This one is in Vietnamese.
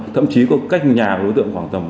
thậm chí có cách nhà đối tượng khoảng tầm